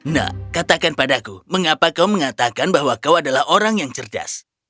nak katakan padaku mengapa kau mengatakan bahwa kau adalah orang yang cerdas